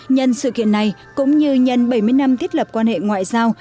nhân sự kiện này cũng như nhân bảy mươi năm thiết lập quan hệ ngoại giao